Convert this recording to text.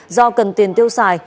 do cần tiền tiêu xài